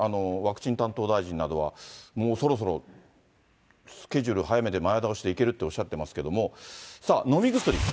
ワクチン担当大臣などは、もうそろそろ、スケジュール早めて、前倒しでいけるっておっしゃってますけど、さあ、飲み薬。